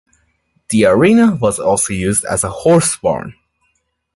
The arena was also used as a horse barn.